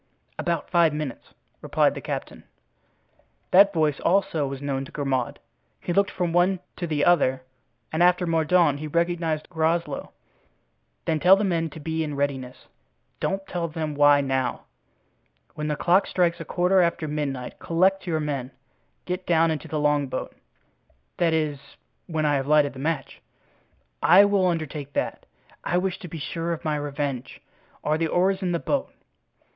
"About five minutes," replied the captain. That voice also was known to Grimaud. He looked from one to the other and after Mordaunt he recognized Groslow. "Then tell the men to be in readiness—don't tell them why now. When the clock strikes a quarter after midnight collect your men. Get down into the longboat." "That is, when I have lighted the match?" "I will undertake that. I wish to be sure of my revenge. Are the oars in the boat?"